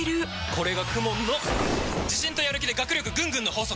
これがＫＵＭＯＮの自信とやる気で学力ぐんぐんの法則！